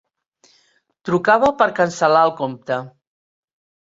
Trucava per cancel·lar el compte.